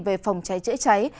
về phòng cháy chế cháy